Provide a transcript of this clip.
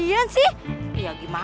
ya elah lila